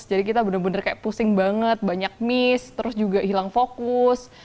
jadi kita bener bener kayak pusing banget banyak miss terus juga hilang fokus